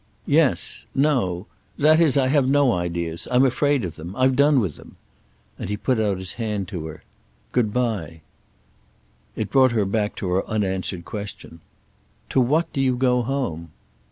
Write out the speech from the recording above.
"Yes. No. That is I have no ideas. I'm afraid of them. I've done with them." And he put out his hand to her. "Good bye." It brought her back to her unanswered question. "To what do you go home?"